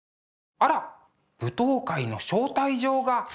あら舞踏会の招待状が。